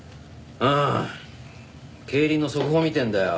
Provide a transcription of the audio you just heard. ああ競輪の速報見てんだよ。